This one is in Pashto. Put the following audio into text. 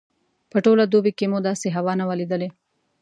په ټوله دوبي کې مو داسې هوا نه وه لیدلې.